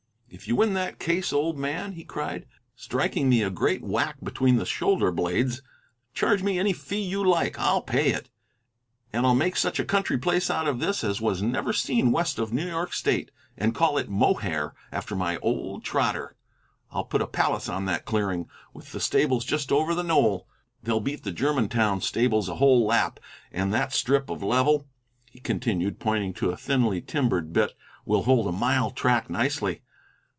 "If you win that case, old man," he cried, striking me a great whack between the shoulder blades, "charge any fee you like; I'll pay it! And I'll make such a country place out of this as was never seen west of New York state, and call it Mohair, after my old trotter. I'll put a palace on that clearing, with the stables just over the knoll. They'll beat the Germantown stables a whole lap. And that strip of level," he continued, pointing to a thinly timbered bit, "will hold a mile track nicely."